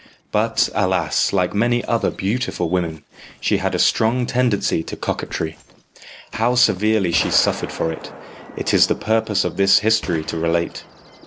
But, alas like many other beautiful women, she had a strong tendency to coquetry. How severely she suffered for it, it is the purpose of this history to relate.